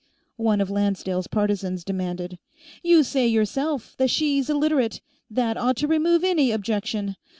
one of Lancedale's partisans demanded. "You say, yourself, that she's a Literate. That ought to remove any objection.